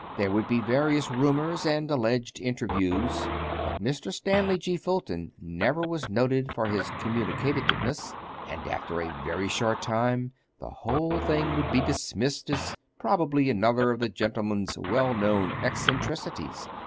There would be various rumors and alleged interviews; but Mr. Stanley G. Fulton never was noted for his communicativeness, and, after a very short time, the whole thing would be dismissed as probably another of the gentleman's well known eccentricities.